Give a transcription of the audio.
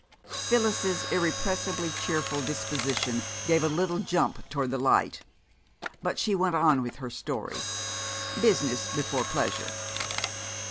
Phyllis' irrepressibly cheerful disposition gave a little jump toward the light. But she went on with her story business before pleasure!